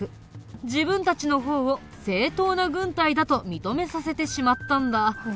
自分たちの方を正統な軍隊だと認めさせてしまったんだ。